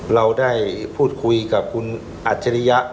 เราได้พูดคุยกับคุณอัจฉริยะ